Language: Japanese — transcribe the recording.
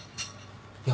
いや。